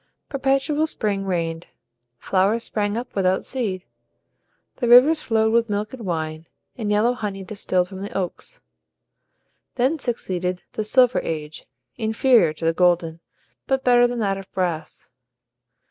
Perpetual spring reigned, flowers sprang up without seed, the rivers flowed with milk and wine, and yellow honey distilled from the oaks. Then succeeded the Silver Age, inferior to the golden, but better than that of brass.